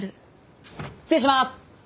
失礼します！